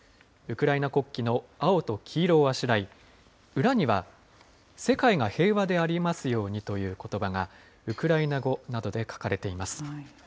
ウクライナ国旗の青と黄色をあしらい、裏には、世界が平和でありますようにということばが、ウクライナ語などで書かれています。